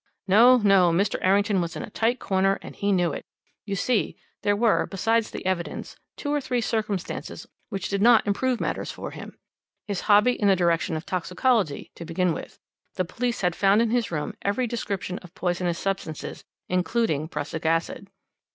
No! no! Mr. Errington was in a tight corner, and he knew it. You see, there were besides the evidence two or three circumstances which did not improve matters for him. His hobby in the direction of toxicology, to begin with. The police had found in his room every description of poisonous substances, including prussic acid.